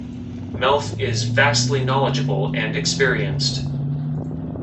Melf is vastly knowledgeable and experienced.